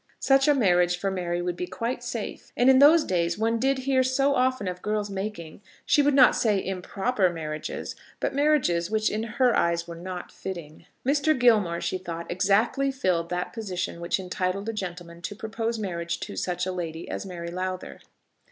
Such a marriage for Mary would be quite safe; and in those days one did hear so often of girls making, she would not say improper marriages, but marriages which in her eyes were not fitting! Mr. Gilmore, she thought, exactly filled that position which entitled a gentleman to propose marriage to such a lady as Mary Lowther.